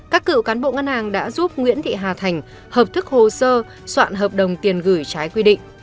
các cựu cán bộ ngân hàng đã giúp nguyễn thị hà thành hợp thức hồ sơ soạn hợp đồng tiền gửi trái quy định